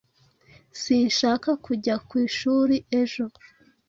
Sinshaka kujya ku ishuri ejo.